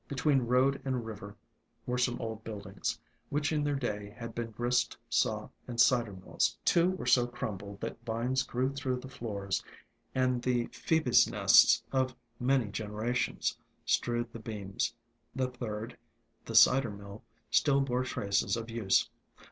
Between road and river were some old buildings, which in their day had been grist , saw , and cider mills. Two were so crumbled that vines grew through the floors, and the phcebe's nests of many generations strewed the beams. The third, the cider mill, still bore traces of use.